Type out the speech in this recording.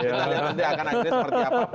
kita lihat nanti akan akhirnya seperti apa